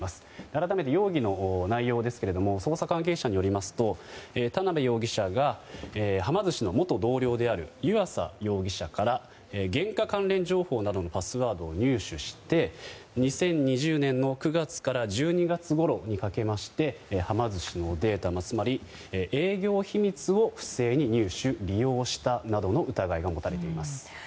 改めて容疑の内容ですが捜査関係者によりますと田邊容疑者がはま寿司の元同僚である湯淺容疑者から原価関連情報などのパスワードを入手して２０２０年の９月から１２月ごろにかけましてはま寿司のデータつまり営業秘密を不正に入手・利用したなどの疑いが持たれています。